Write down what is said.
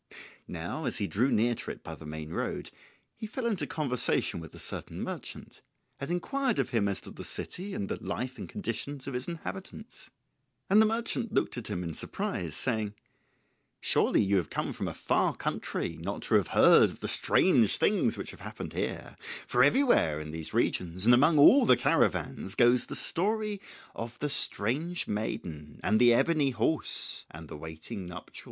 Now as he drew near to it by the main road, he fell into conversation with a certain merchant, and inquired of him as to the city and the life and conditions of its inhabitants. And the merchant looked at him in surprise, saying, "Surely you have come from a far country not to have heard of the strange things which have happened here, for everywhere in these regions and among all the caravans goes the story of the strange maiden, and the ebony horse, and the waiting nuptials."